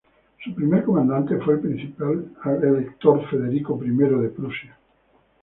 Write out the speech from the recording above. Su primer comandante fue el príncipe elector Federico I de Prusia.